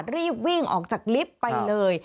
รีบวิ่งออกจากลิฟต์ไปเลย